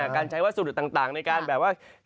การใช้วัสดุต่างในการแบบว่า